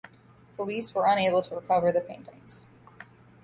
Police were unable to recover the paintings.